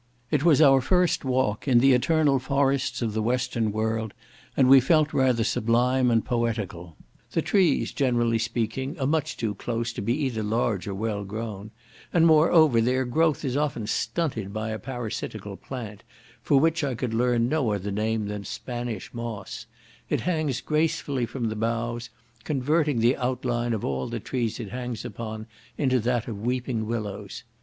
It was our first walk in "the eternal forests of the western world," and we felt rather sublime and poetical. The trees, generally speaking, are much too close to be either large or well grown; and, moreover, their growth is often stunted by a parasitical plant, for which I could learn no other name than "Spanish moss;" it hangs gracefully from the boughs, converting the outline of all the trees it hangs upon into that of weeping willows.